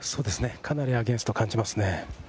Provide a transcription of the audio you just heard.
かなりアゲンストを感じますね。